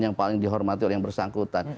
yang paling dihormati oleh yang bersangkutan